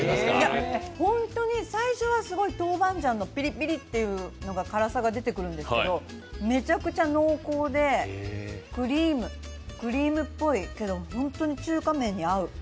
本当に最初はすごいトウバンジャンのぴりぴりっという辛さが出てくるんですけど、めちゃくちゃ濃厚で、クリームっぽいけど本当に中華麺に合う。